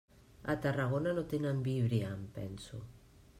A Tarragona no tenen Víbria, em penso.